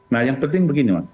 nah yang penting begini